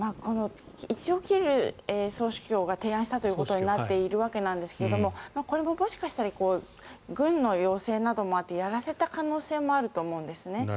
キリル総主教が提案したということになっているわけですがこれももしかしたら軍の要請などもあってやらせた可能性もあると思うんですね。